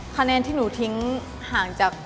คะแนนที่หนูทิ้งห่างจาก